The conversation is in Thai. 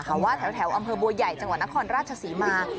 แต่ว่าแถวอำเภอบัวใหญ่จังหวัดนครราชศรีมา